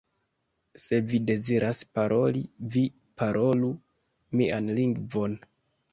Se vi deziras paroli, vi parolu mian lingvon".